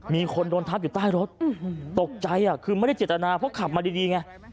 มีคนโดนทับอยู่ใต้รถตกใจคือไม่ได้เจตนาเพราะขับมาดีไง